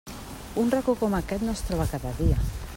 Un racó com aquest no es troba cada dia.